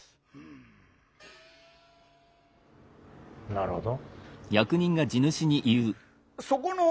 なるほど。